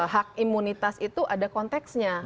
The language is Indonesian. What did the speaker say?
hak imunitas itu ada konteksnya